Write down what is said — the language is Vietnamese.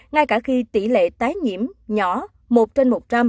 ngay cả khi tỷ lệ tái nhiễm nhỏ một trên một trăm linh